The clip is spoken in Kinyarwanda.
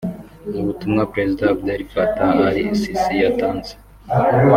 Mu butumwa Perezida Abdel Fattah Al Sisi yatanze